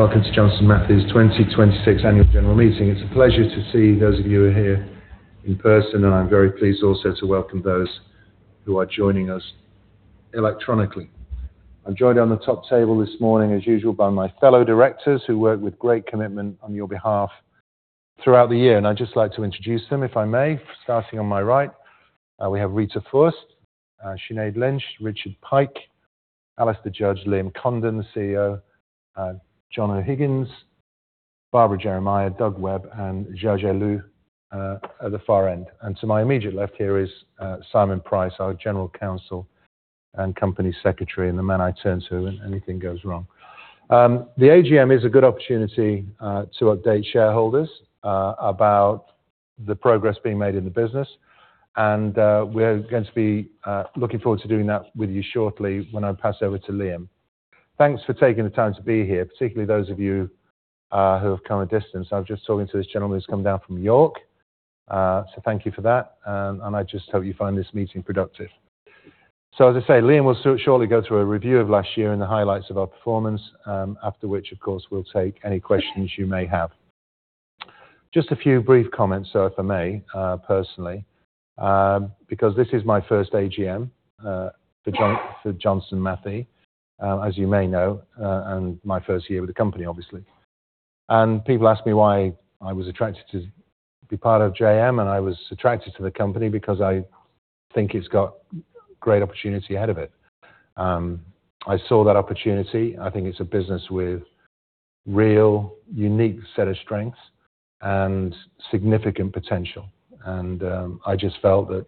Welcome to Johnson Matthey's 2026 Annual General Meeting. It's a pleasure to see those of you who are here in person, and I am very pleased also to welcome those who are joining us electronically. I am joined on the top table this morning, as usual, by my fellow Directors who work with great commitment on your behalf throughout the year, and I would just like to introduce them if I may. Starting on my right, we have Rita Forst, Sinead Lynch, Richard Pike, Alastair Judge, Liam Condon, the CEO, John O'Higgins, Barbara Jeremiah, Doug Webb, and Xiaozhi Liu at the far end. To my immediate left here is Simon Price, our General Counsel and Company Secretary, and the man I turn to when anything goes wrong. The AGM is a good opportunity to update shareholders about the progress being made in the business. We are going to be looking forward to doing that with you shortly when I pass over to Liam. Thanks for taking the time to be here, particularly those of you who have come a distance. I was just talking to this gentleman who has come down from York, so thank you for that, and I just hope you find this meeting productive. As I say, Liam will shortly go through a review of last year and the highlights of our performance, after which, of course, we will take any questions you may have. Just a few brief comments, though, if I may, personally because this is my first AGM for Johnson Matthey as you may know, and my first year with the company, obviously. People ask me why I was attracted to be part of JM. I was attracted to the company because I think it has got great opportunity ahead of it. I saw that opportunity. I think it is a business with real, unique set of strengths and significant potential. I just felt that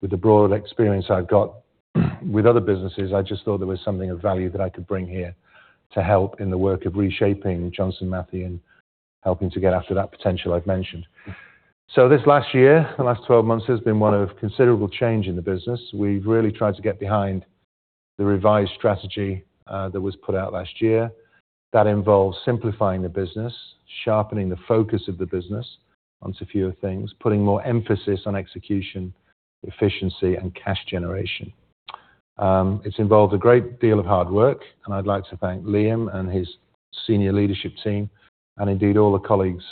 with the broad experience I have got with other businesses, I just thought there was something of value that I could bring here to help in the work of reshaping Johnson Matthey and helping to get after that potential I have mentioned. This last year, the last 12 months, has been one of considerable change in the business. We have really tried to get behind the revised strategy that was put out last year. That involves simplifying the business, sharpening the focus of the business onto fewer things, putting more emphasis on execution, efficiency, and cash generation. It has involved a great deal of hard work, and I would like to thank Liam and his senior leadership team, and indeed all the colleagues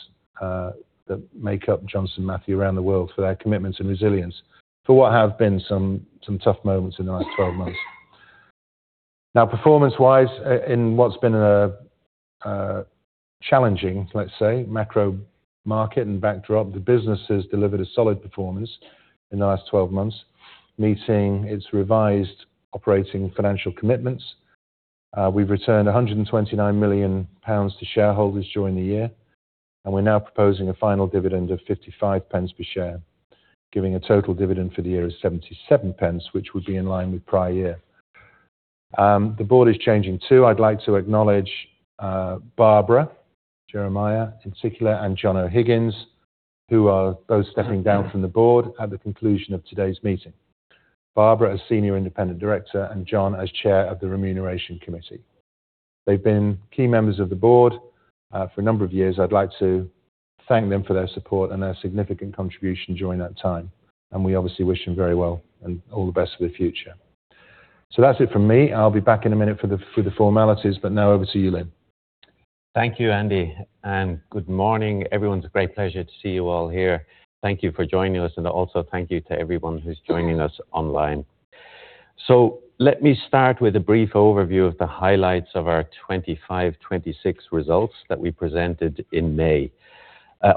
that make up Johnson Matthey around the world for their commitment and resilience for what have been some tough moments in the last 12 months. Performance-wise, in what has been a challenging, let us say, macro market and backdrop, the business has delivered a solid performance in the last 12 months, meeting its revised operating financial commitments. We have returned 129 million pounds to shareholders during the year, and we are now proposing a final dividend of 0.55 per share, giving a total dividend for the year of 0.77, which would be in line with prior year. The board is changing, too. I would like to acknowledge Barbara Jeremiah in particular, and John O'Higgins, who are both stepping down from the board at the conclusion of today's meeting. Barbara, as Senior Independent Director, and John as Chair of the Remuneration Committee. They've been key members of the board for a number of years. I'd like to thank them for their support and their significant contribution during that time. We obviously wish them very well and all the best for the future. That's it from me. I'll be back in a minute for the formalities. Now over to you, Liam. Thank you, Andy, and good morning, everyone. It's a great pleasure to see you all here. Thank you for joining us, and also thank you to everyone who's joining us online. Let me start with a brief overview of the highlights of our 2025/2026 results that we presented in May.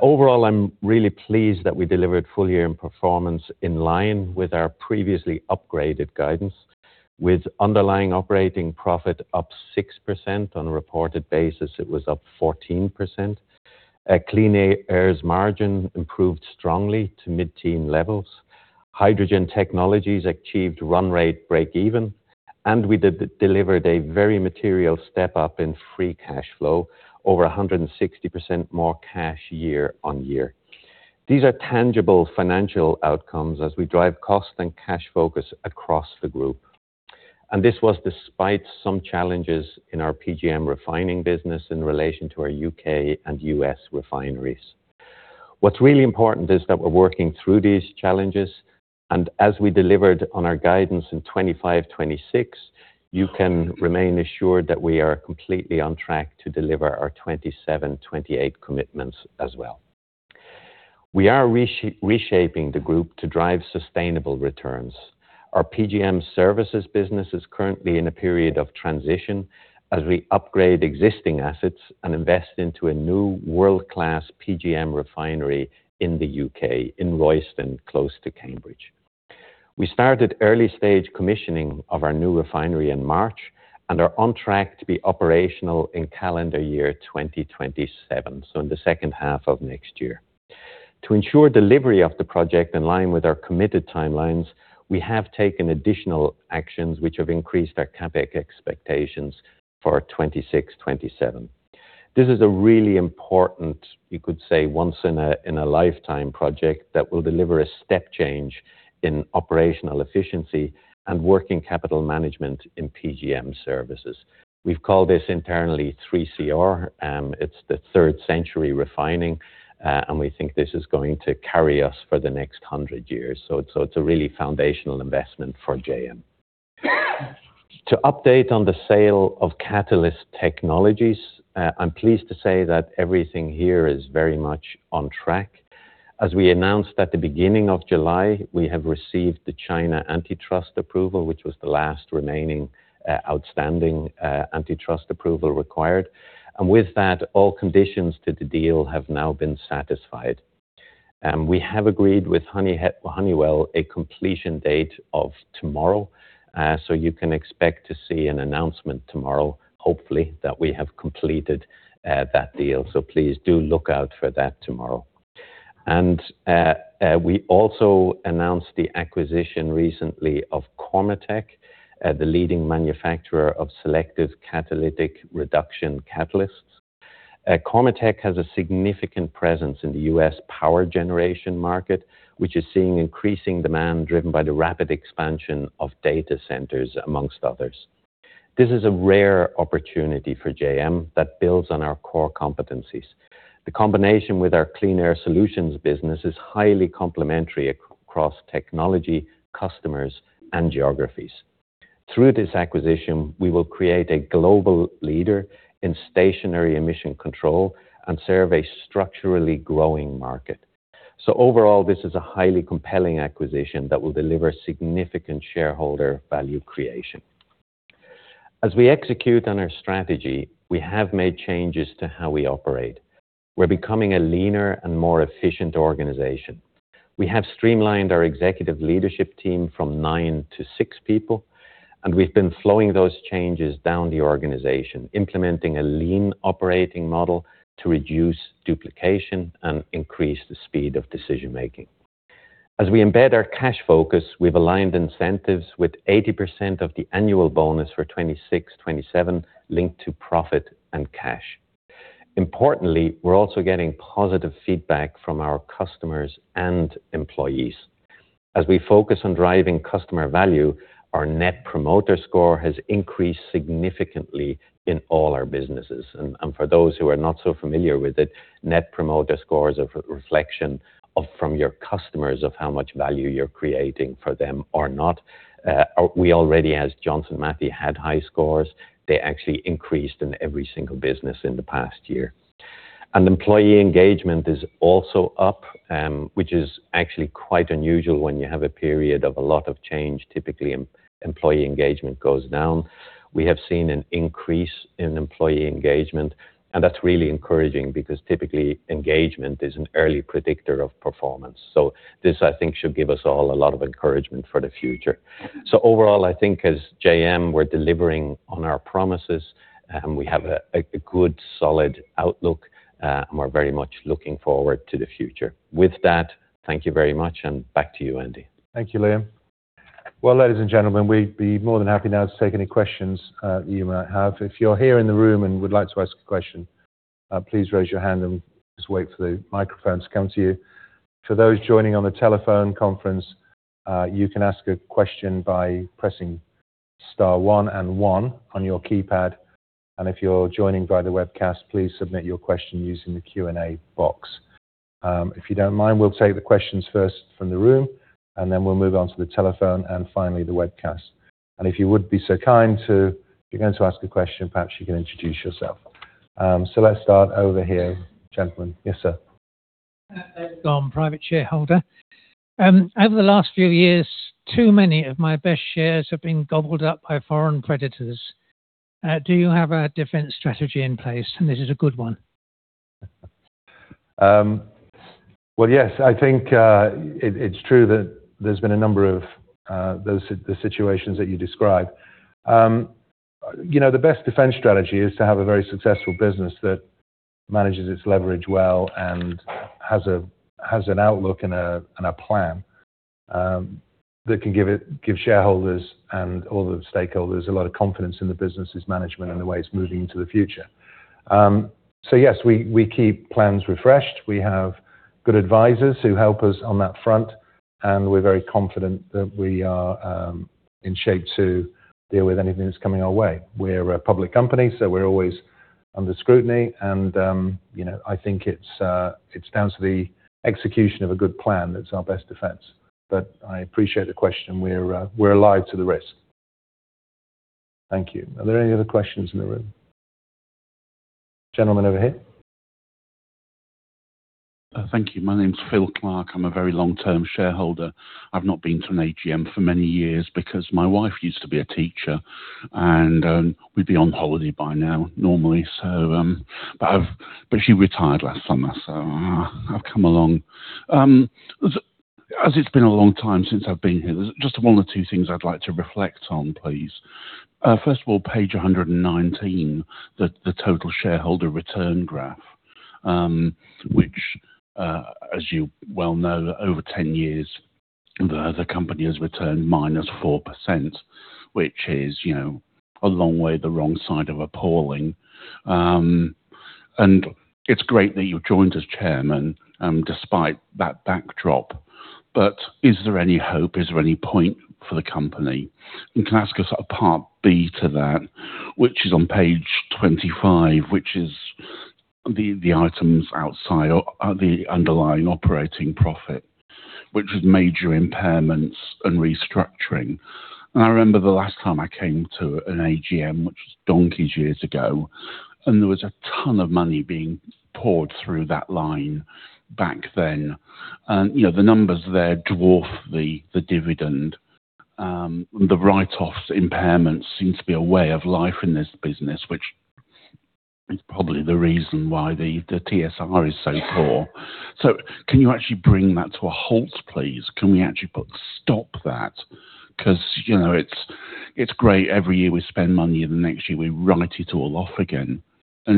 Overall, I'm really pleased that we delivered full year end performance in line with our previously upgraded guidance. With underlying operating profit up 6% on a reported basis, it was up 14%. Clean Air's margin improved strongly to mid-teen levels. Hydrogen Technologies achieved run rate breakeven, and we delivered a very material step-up in free cash flow, over 160% more cash year-on-year. These are tangible financial outcomes as we drive cost and cash focus across the group. This was despite some challenges in our PGM refining business in relation to our U.K. and U.S. refineries. What's really important is that we're working through these challenges, and as we delivered on our guidance in 2025/2026, you can remain assured that we are completely on track to deliver our 2027/2028 commitments as well. We are reshaping the group to drive sustainable returns. Our PGM Services business is currently in a period of transition as we upgrade existing assets and invest into a new world-class PGM refinery in the U.K. in Royston, close to Cambridge. We started early-stage commissioning of our new refinery in March and are on track to be operational in calendar year 2027, so in the second half of next year. To ensure delivery of the project in line with our committed timelines, we have taken additional actions which have increased our CapEx expectations for 2026/2027. This is a really important, you could say, once in a lifetime project that will deliver a step change in operational efficiency and working capital management in PGM Services. We've called this internally 3CR, it's the Third Century Refining, and we think this is going to carry us for the next 100 years. It's a really foundational investment for JM. To update on the sale of Catalyst Technologies, I'm pleased to say that everything here is very much on track. As we announced at the beginning of July, we have received the China antitrust approval, which was the last remaining outstanding antitrust approval required. With that, all conditions to the deal have now been satisfied. We have agreed with Honeywell a completion date of tomorrow. You can expect to see an announcement tomorrow, hopefully, that we have completed that deal. Please do look out for that tomorrow. We also announced the acquisition recently of Cormetech, the leading manufacturer of selective catalytic reduction catalysts. Cormetech has a significant presence in the U.S. power generation market, which is seeing increasing demand driven by the rapid expansion of data centers, amongst others. This is a rare opportunity for JM that builds on our core competencies. The combination with our Clean Air Solutions business is highly complementary across technology, customers, and geographies. Through this acquisition, we will create a global leader in stationary emission control and serve a structurally growing market. Overall, this is a highly compelling acquisition that will deliver significant shareholder value creation. As we execute on our strategy, we have made changes to how we operate. We're becoming a leaner and more efficient organization. We have streamlined our executive leadership team from nine to six people. We've been flowing those changes down the organization, implementing a lean operating model to reduce duplication and increase the speed of decision-making. As we embed our cash focus, we've aligned incentives with 80% of the annual bonus for 2026/2027 linked to profit and cash. Importantly, we're also getting positive feedback from our customers and employees. As we focus on driving customer value, our Net Promoter Score has increased significantly in all our businesses. For those who are not so familiar with it, Net Promoter Score is a reflection from your customers of how much value you're creating for them or not. We already, as Johnson Matthey, had high scores. They actually increased in every single business in the past year. Employee engagement is also up, which is actually quite unusual when you have a period of a lot of change. Typically, employee engagement goes down. We have seen an increase in employee engagement. That's really encouraging because typically engagement is an early predictor of performance. This, I think, should give us all a lot of encouragement for the future. Overall, I think as JM, we're delivering on our promises. We have a good, solid outlook, and we're very much looking forward to the future. With that, thank you very much. Back to you, Andy. Thank you, Liam. Well, ladies and gentlemen, we'd be more than happy now to take any questions that you might have. If you're here in the room and would like to ask a question, please raise your hand and just wait for the microphone to come to you. For those joining on the telephone conference, you can ask a question by pressing star one and one on your keypad. If you're joining via the webcast, please submit your question using the Q&A box. If you don't mind, we'll take the questions first from the room, and then we'll move on to the telephone, and finally the webcast. If you would be so kind to, if you're going to ask a question, perhaps you can introduce yourself. Let's start over here, gentleman. Yes, sir. Ed Glan, private shareholder. Over the last few years, too many of my best shares have been gobbled up by foreign predators. Do you have a defense strategy in place, and is it a good one? Well, yes. I think it's true that there's been a number of the situations that you described. The best defense strategy is to have a very successful business that manages its leverage well and has an outlook and a plan that can give shareholders and all the stakeholders a lot of confidence in the business's management and the way it's moving into the future. Yes, we keep plans refreshed. We have good advisors who help us on that front, and we're very confident that we are in shape to deal with anything that's coming our way. We're a public company, so we're always under scrutiny. I think it's down to the execution of a good plan that's our best defense. I appreciate the question. We're alive to the risk. Thank you. Are there any other questions in the room? Gentleman over here. Thank you. My name's Phil Clark. I'm a very long-term shareholder. I've not been to an AGM for many years because my wife used to be a teacher, and we'd be on holiday by now normally. She retired last summer, so I've come along. As it's been a long time since I've been here, there's just one or two things I'd like to reflect on, please. First of all, page 119, the total shareholder return graph. Which, as you well know, over 10 years, the company has returned -4%, which is a long way the wrong side of appalling. It's great that you joined as chairman despite that backdrop. Is there any hope? Is there any point for the company? Can I ask a part B to that, which is on page 25, which is. The items outside are the underlying operating profit, which was major impairments and restructuring. I remember the last time I came to an AGM, which was donkeys years ago, and there was a ton of money being poured through that line back then. The numbers there dwarf the dividend. The write-offs impairments seem to be a way of life in this business, which is probably the reason why the TSR is so poor. Can you actually bring that to a halt, please? Can we actually stop that? It's great every year we spend money, and the next year we write it all off again. I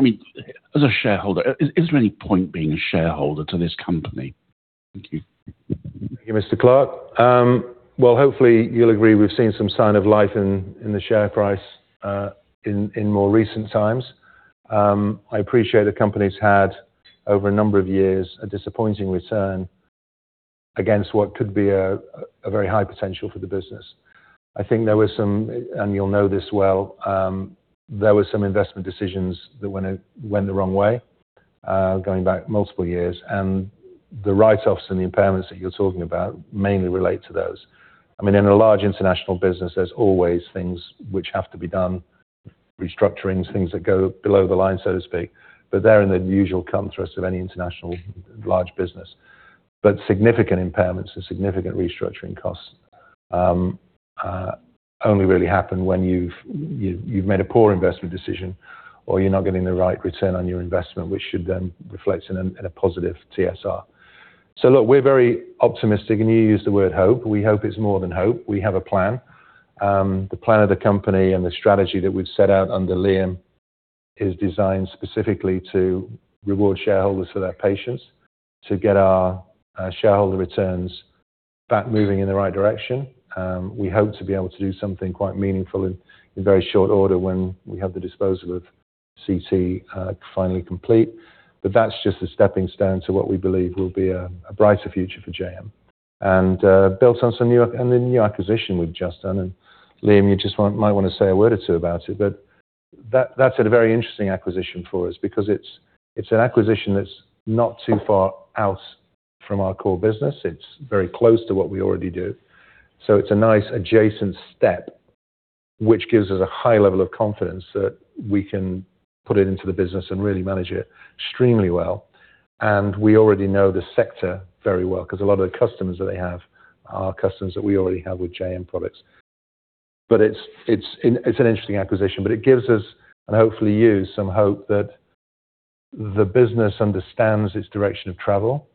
mean, as a shareholder, is there any point being a shareholder to this company? Thank you. Thank you, Mr. Clark. Well, hopefully you'll agree we've seen some sign of life in the share price in more recent times. I appreciate the company's had, over a number of years, a disappointing return against what could be a very high potential for the business. I think there were some, and you'll know this well, there were some investment decisions that went the wrong way, going back multiple years, and the write-offs and the impairments that you're talking about mainly relate to those. I mean, in a large international business, there's always things which have to be done, restructurings, things that go below the line, so to speak, but they're in the usual come through as of any international large business. Significant impairments and significant restructuring costs only really happen when you've made a poor investment decision or you're not getting the right return on your investment, which should then reflect in a positive TSR. Look, we're very optimistic, and you used the word hope. We hope it's more than hope. We have a plan. The plan of the company and the strategy that we've set out under Liam is designed specifically to reward shareholders for their patience to get our shareholder returns back moving in the right direction. We hope to be able to do something quite meaningful in very short order when we have the disposal of CT finally complete. That's just a stepping stone to what we believe will be a brighter future for JM, and built on some new and the new acquisition we've just done. Liam, you just might want to say a word or two about it, but that's a very interesting acquisition for us because it's an acquisition that's not too far out from our core business. It's very close to what we already do. It's a nice adjacent step, which gives us a high level of confidence that we can put it into the business and really manage it extremely well. We already know the sector very well because a lot of the customers that they have are customers that we already have with JM products. It's an interesting acquisition, but it gives us and hopefully you some hope that the business understands its direction of travel.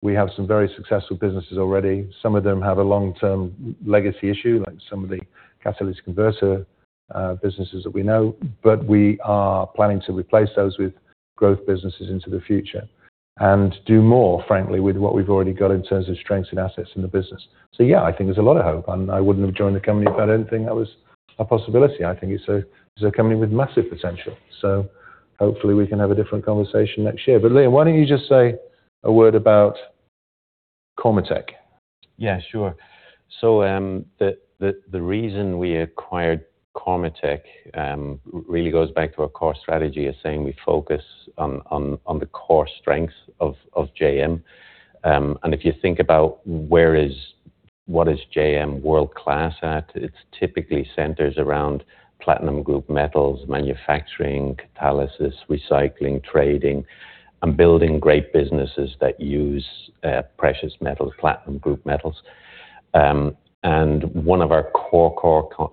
We have some very successful businesses already. Some of them have a long-term legacy issue, like some of the catalyst converter businesses that we know. We are planning to replace those with growth businesses into the future and do more, frankly, with what we've already got in terms of strengths and assets in the business. Yeah, I think there's a lot of hope, and I wouldn't have joined the company if I didn't think that was a possibility. I think it's a company with massive potential. Hopefully we can have a different conversation next year. Liam, why don't you just say a word about Cormetech? Yeah, sure. The reason we acquired Cormetech really goes back to our core strategy as saying we focus on the core strengths of JM. If you think about what is JM world-class at, it typically centers around platinum group metals, manufacturing, catalysis, recycling, trading, and building great businesses that use precious metals, platinum group metals. One of our core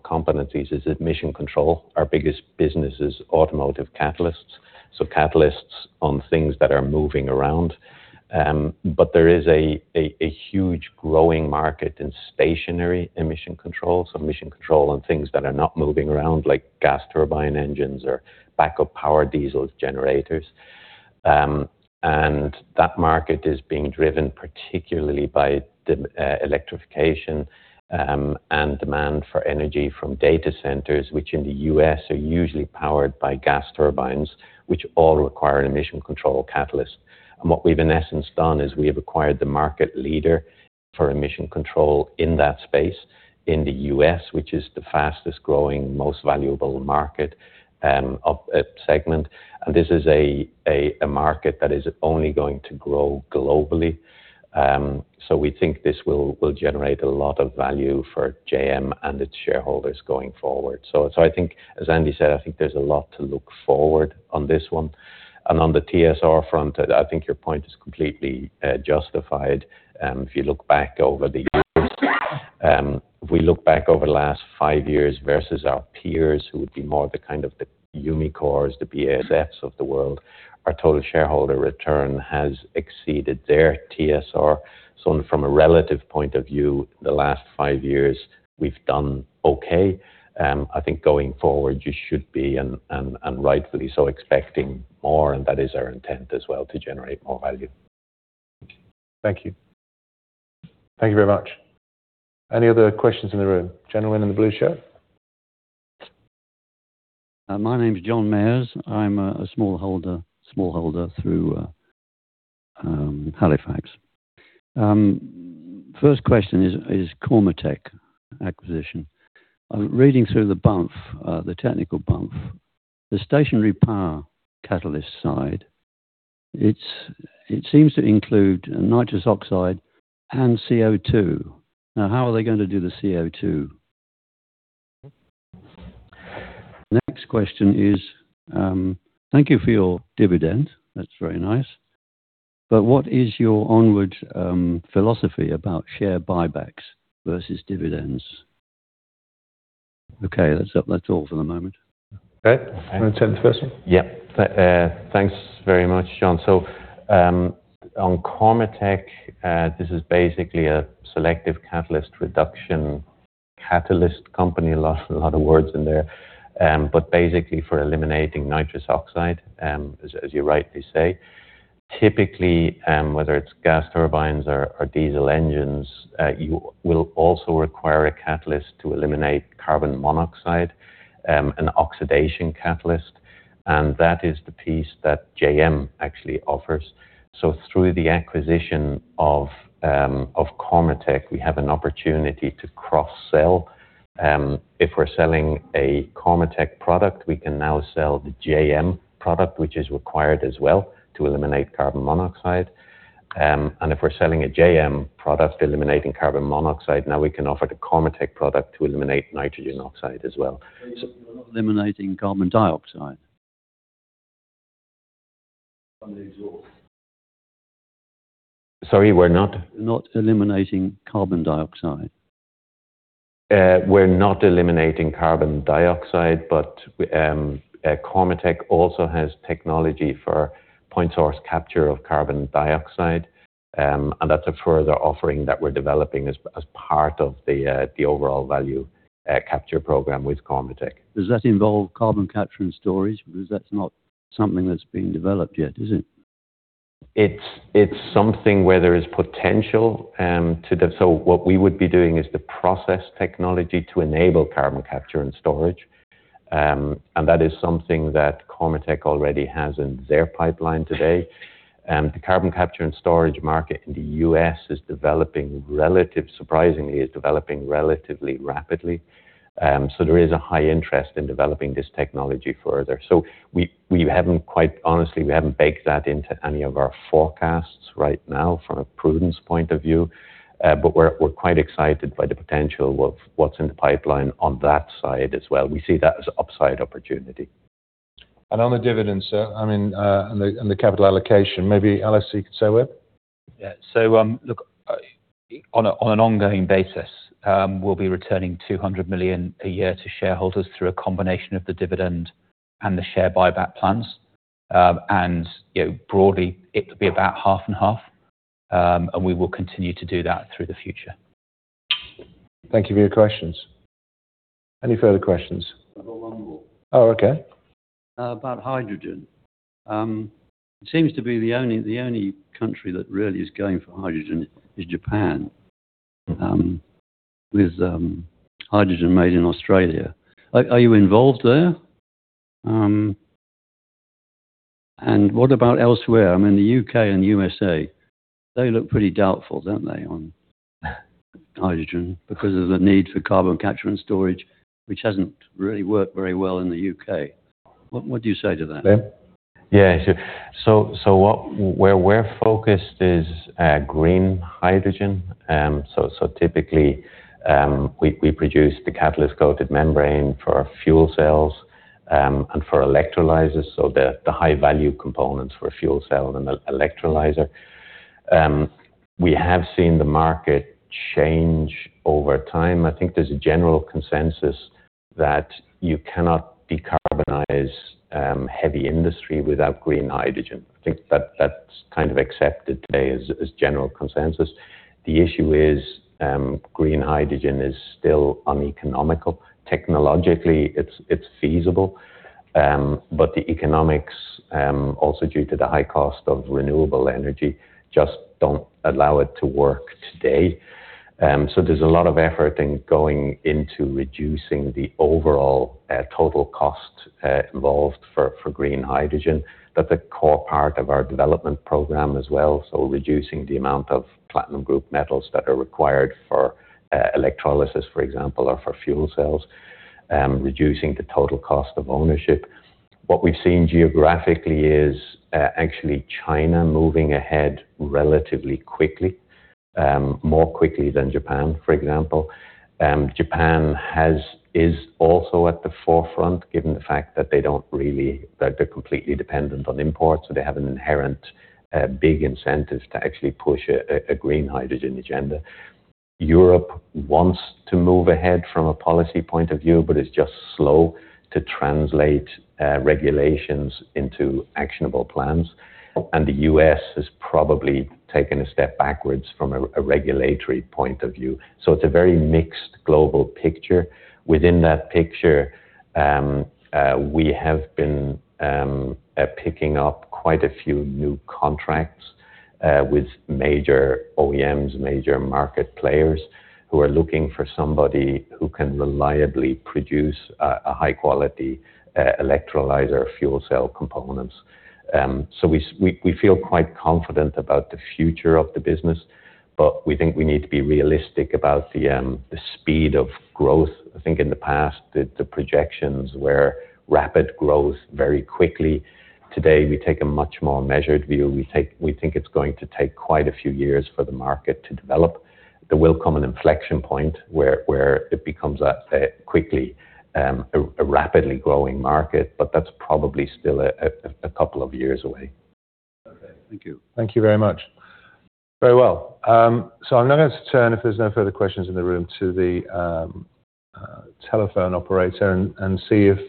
competencies is emission control. Our biggest business is automotive catalysts, so catalysts on things that are moving around. There is a huge growing market in stationary emission control, so emission control on things that are not moving around, like gas turbine engines or backup power diesel generators. That market is being driven particularly by the electrification and demand for energy from data centers, which in the U.S. are usually powered by gas turbines, which all require an emission control catalyst. What we've in essence done is we have acquired the market leader for emission control in that space in the U.S., which is the fastest-growing, most valuable market segment. This is a market that is only going to grow globally. We think this will generate a lot of value for JM and its shareholders going forward. I think, as Andy said, I think there's a lot to look forward on this one. On the TSR front, I think your point is completely justified. If we look back over the last five years versus our peers, who would be more the kind of the Umicore's, the BASF's of the world, our total shareholder return has exceeded their TSR. From a relative point of view, the last five years, we've done okay. I think going forward, you should be, and rightfully so, expecting more, and that is our intent as well to generate more value. Thank you. Thank you very much. Any other questions in the room? Gentleman in the blue shirt. My name is John Mayers. I'm a small holder through Halifax. First question is Cormetech acquisition. Reading through the technical bumf, the stationary power catalyst side, it seems to include nitrous oxide and CO2. How are they going to do the CO2? Next question is, thank you for your dividend. That's very nice. What is your onward philosophy about share buybacks versus dividends? That's all for the moment. Want to take the first one? Thanks very much, John. On Cormetech, this is basically a selective catalytic reduction catalyst company, a lot of words in there, but basically for eliminating nitrous oxide, as you rightly say. Typically, whether it's gas turbines or diesel engines, you will also require a catalyst to eliminate carbon monoxide, an oxidation catalyst. That is the piece that JM actually offers. Through the acquisition of Cormetech, we have an opportunity to cross-sell. If we're selling a Cormetech product, we can now sell the JM product, which is required as well to eliminate carbon monoxide. If we're selling a JM product eliminating carbon monoxide, now we can offer the Cormetech product to eliminate nitrogen oxide as well. You're not eliminating carbon dioxide. [inaudible] Sorry, we're not? Not eliminating carbon dioxide. We're not eliminating carbon dioxide, but Cormetech also has technology for point source capture of carbon dioxide. That's a further offering that we're developing as part of the overall value capture program with Cormetech. Does that involve carbon capture and storage? Because that's not something that's been developed yet, is it? It's something where there is potential. What we would be doing is the process technology to enable carbon capture and storage. That is something that Cormetech already has in their pipeline today. The carbon capture and storage market in the U.S., surprisingly, is developing relatively rapidly. There is a high interest in developing this technology further. Quite honestly, we haven't baked that into any of our forecasts right now from a prudence point of view. We're quite excited by the potential of what's in the pipeline on that side as well. We see that as upside opportunity. On the dividends, and the capital allocation, maybe Alastair, you can say a word? Look, on an ongoing basis, we'll be returning 200 million a year to shareholders through a combination of the dividend and the share buyback plans. Broadly, it could be about half and half. We will continue to do that through the future. Thank you for your questions. Any further questions? I've got one more. Oh, okay. About hydrogen. Seems to be the only country that really is going for hydrogen is Japan, with hydrogen made in Australia. Are you involved there? What about elsewhere? I mean, the U.K. and U.S.A., they look pretty doubtful, don't they, on hydrogen because of the need for carbon capture and storage, which hasn't really worked very well in the U.K. What do you say to that? Liam? Yeah, sure. Where we're focused is green hydrogen. Typically, we produce the catalyst-coated membrane for our fuel cells, and for electrolyzers, the high-value components for fuel cell and the electrolyzer. We have seen the market change over time. I think there's a general consensus that you cannot decarbonize heavy industry without green hydrogen. I think that's kind of accepted today as general consensus. The issue is green hydrogen is still uneconomical. Technologically, it's feasible. The economics, also due to the high cost of renewable energy, just don't allow it to work today. There's a lot of effort in going into reducing the overall total cost involved for green hydrogen. That's a core part of our development program as well. Reducing the amount of platinum group metals that are required for electrolysis, for example, or for fuel cells, reducing the total cost of ownership. What we've seen geographically is actually China moving ahead relatively quickly, more quickly than Japan, for example. Japan is also at the forefront given the fact that they're completely dependent on imports, they have an inherent big incentive to actually push a green hydrogen agenda. Europe wants to move ahead from a policy point of view, it's just slow to translate regulations into actionable plans. The U.S. has probably taken a step backwards from a regulatory point of view. It's a very mixed global picture. Within that picture, we have been picking up quite a few new contracts with major OEMs, major market players who are looking for somebody who can reliably produce a high-quality electrolyzer fuel cell components. We feel quite confident about the future of the business, but we think we need to be realistic about the speed of growth. I think in the past, the projections were rapid growth very quickly. Today, we take a much more measured view. We think it's going to take quite a few years for the market to develop. There will come an inflection point where it becomes a rapidly growing market, but that's probably still a couple of years away. Okay. Thank you. Thank you very much. Very well. I'm now going to turn, if there's no further questions in the room, to the telephone operator and see if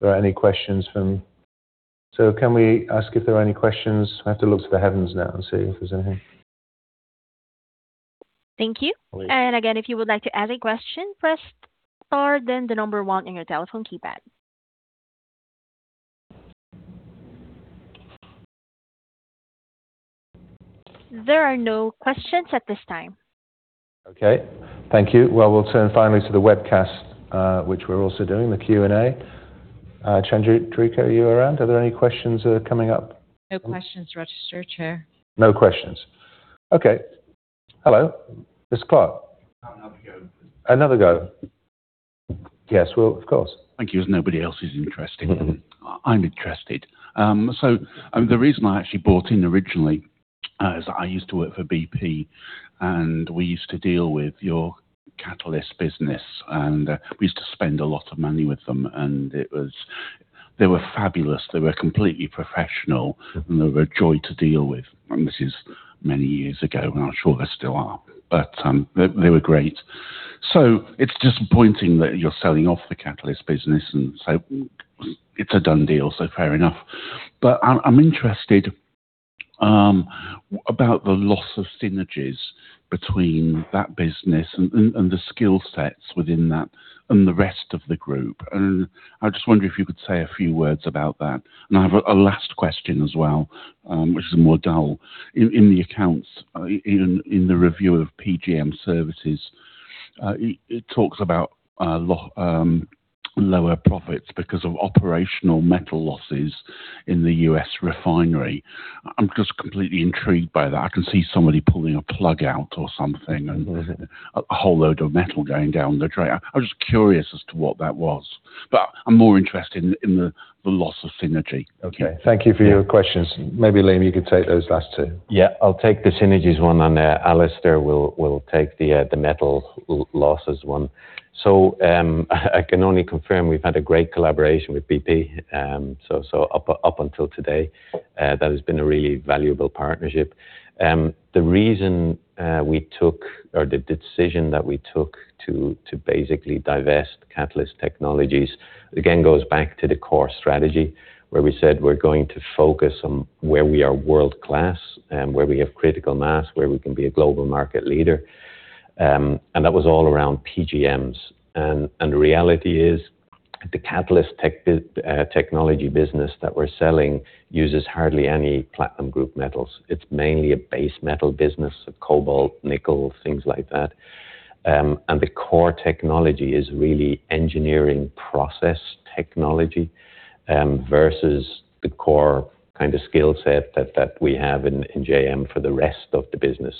there are any questions. Can we ask if there are any questions? I have to look to the heavens now and see if there's anything. Thank you. Again, if you would like to ask a question, press star then the number one on your telephone keypad. There are no questions at this time. Okay. Thank you. Well, we'll turn finally to the webcast, which we're also doing the Q&A. Chandrika, are you around? Are there any questions coming up? No questions registered, Chair. No questions. Okay. Hello. It's Clark. I'll have a go. Another go. Yes, well, of course. Thank you. As nobody else is interested, I'm interested. The reason I actually bought in originally is I used to work for BP, and we used to deal with your catalyst business, and we used to spend a lot of money with them, and they were fabulous. They were completely professional, and they were a joy to deal with. This is many years ago. I'm not sure they still are, but they were great. It's disappointing that you're selling off the catalyst business, it's a done deal, so fair enough. I'm interested about the loss of synergies between that business and the skill sets within that and the rest of the group. I just wonder if you could say a few words about that. I have a last question as well, which is more dull. In the accounts, in the review of PGM Services, it talks about lower profits because of operational metal losses in the U.S. refinery. I'm just completely intrigued by that. I can see somebody pulling a plug out or something and a whole load of metal going down the drain. I'm just curious as to what that was. I'm more interested in the loss of synergy. Okay. Thank you for your questions. Maybe Liam, you could take those last two. I'll take the synergies one and Alastair will take the metal losses one. I can only confirm we've had a great collaboration with BP. Up until today, that has been a really valuable partnership. The reason we took, or the decision that we took to basically divest Catalyst Technologies, again, goes back to the core strategy where we said we're going to focus on where we are world-class and where we have critical mass, where we can be a global market leader, and that was all around PGMs. The reality is, the Catalyst Technology business that we're selling uses hardly any platinum group metals. It's mainly a base metal business of cobalt, nickel, things like that. The core technology is really engineering process technology versus the core kind of skill set that we have in JM for the rest of the business.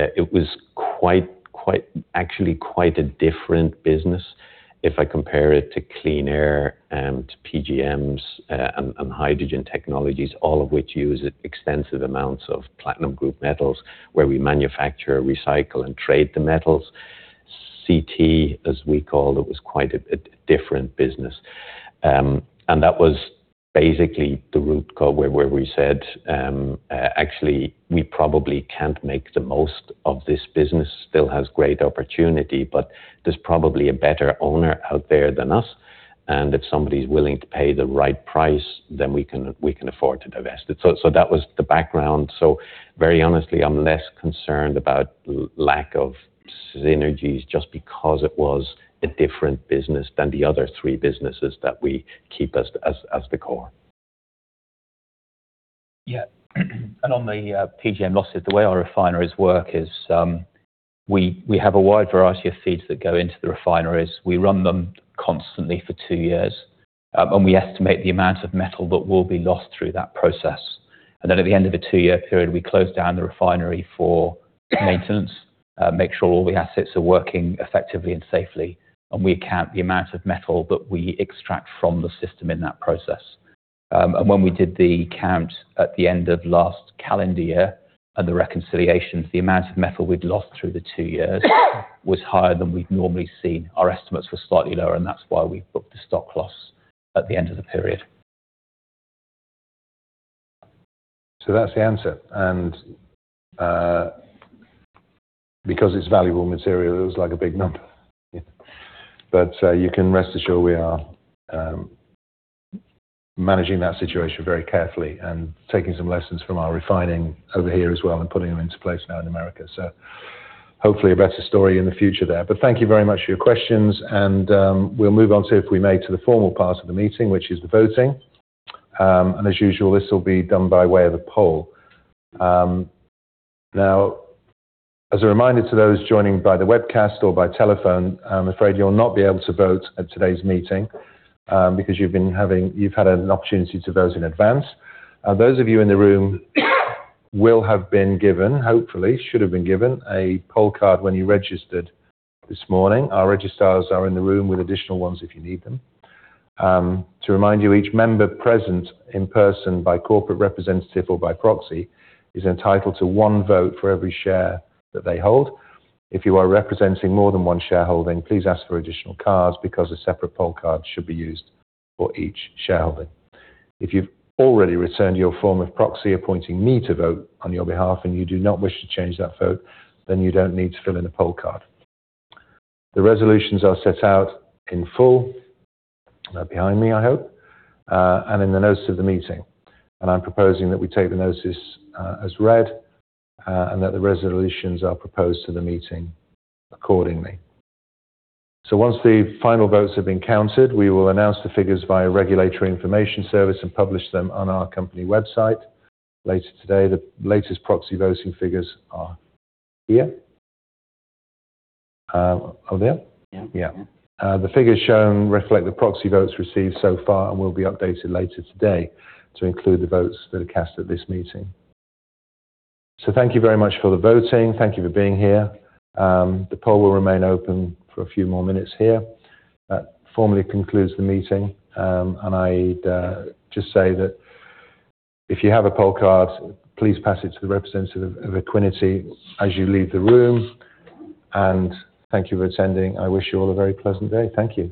It was actually quite a different business if I compare it to Clean Air and to PGMs and Hydrogen Technologies, all of which use extensive amounts of platinum group metals where we manufacture, recycle, and trade the metals. CT, as we called, it was quite a different business. That was basically the route where we said actually we probably can't make the most of this business. Still has great opportunity, but there's probably a better owner out there than us, and if somebody's willing to pay the right price, then we can afford to divest it. That was the background. Very honestly, I'm less concerned about lack of synergies just because it was a different business than the other three businesses that we keep as the core. On the PGM losses, the way our refineries work is we have a wide variety of feeds that go into the refineries. We run them constantly for two years, and we estimate the amount of metal that will be lost through that process. Then at the end of a two-year period, we close down the refinery for maintenance, make sure all the assets are working effectively and safely, and we count the amount of metal that we extract from the system in that process. When we did the count at the end of last calendar year and the reconciliations, the amount of metal we'd lost through the two years was higher than we'd normally seen. Our estimates were slightly lower, and that's why we booked the stock loss at the end of the period. That's the answer. Because it's valuable material, it was a big number. You can rest assured we are managing that situation very carefully and taking some lessons from our refining over here as well and putting them into place now in America. Hopefully, a better story in the future there. Thank you very much for your questions, and we'll move on to, if we may, to the formal part of the meeting, which is the voting. As usual, this will be done by way of a poll. As a reminder to those joining by the webcast or by telephone, I'm afraid you'll not be able to vote at today's meeting because you've had an opportunity to vote in advance. Those of you in the room will have been given, hopefully should have been given, a poll card when you registered this morning. Our registrars are in the room with additional ones if you need them. To remind you, each member present in person, by corporate representative, or by proxy, is entitled to one vote for every share that they hold. If you are representing more than one shareholding, please ask for additional cards because a separate poll card should be used for each shareholding. If you've already returned your form of proxy appointing me to vote on your behalf and you do not wish to change that vote, then you don't need to fill in a poll card. The resolutions are set out in full behind me, I hope, and in the notice of the meeting. I'm proposing that we take the notices as read, that the resolutions are proposed to the meeting accordingly. Once the final votes have been counted, we will announce the figures via Regulatory Information Service and publish them on our company website later today. The latest proxy voting figures are here. Are they up? Yeah. Yeah. The figures shown reflect the proxy votes received so far and will be updated later today to include the votes that are cast at this meeting. Thank you very much for the voting. Thank you for being here. The poll will remain open for a few more minutes here. That formally concludes the meeting. I'd just say that if you have a poll card, please pass it to the representative of Equiniti as you leave the room, and thank you for attending. I wish you all a very pleasant day. Thank you